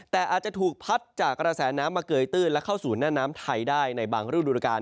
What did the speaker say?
แต่อาจจะถูกพัดจากกระแสน้ำมาเกยตื้นและเข้าสู่หน้าน้ำไทยได้ในบางฤดูการ